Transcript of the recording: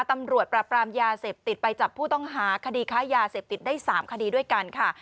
ตำรวจปราบปรามยาเสพติดไปจับผู้ต้องหาคดีค้ายาเสพติดได้๓คดีด้วยกันค่ะ